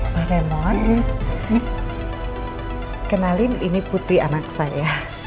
pak hemon kenalin ini putri anak saya